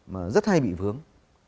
mà rất hay bị vướng